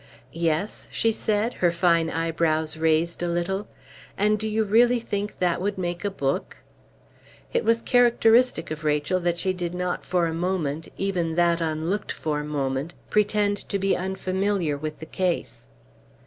"Yes?" she said, her fine eyebrows raised a little. "And do you really think that would make a book?" It was characteristic of Rachel that she did not for a moment even that unlooked for moment pretend to be unfamiliar with the case.